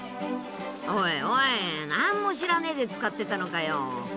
おいおい何も知らねぇで使ってたのかよ。